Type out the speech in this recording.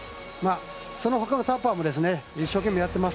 そのほかのタッパーも一生懸命、やってます。